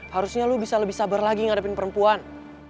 harusnya lo bisa lebih sabar lagi ngadepin perempuan